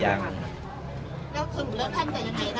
ท่านยังไม่มีปลอม